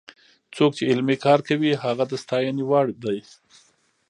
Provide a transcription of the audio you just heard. څوک چې علمي کار کوي هغه د ستاینې وړ دی.